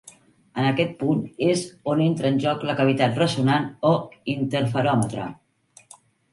En aquest punt és on entra en joc la cavitat ressonant o interferòmetre.